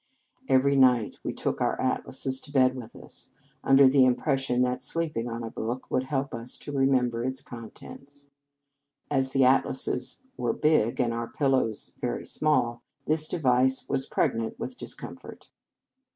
Every night we took our atlases to bed with us, under the impression that sleeping on a book would help us to remember its contents. As the atlases were big, and our pillows very small, this device was pregnant with discomfort.